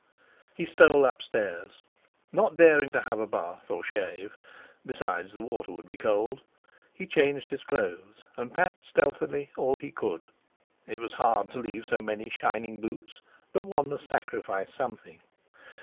He stole upstairs. Not daring to have a bath, or shave (besides, the water would be cold), he changed his clothes and packed stealthily all he could. It was hard to leave so many shining boots, but one must sacrifice something.